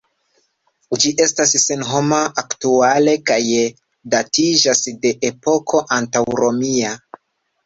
Ĝi estas senhoma aktuale kaj datiĝas de epoko antaŭromia.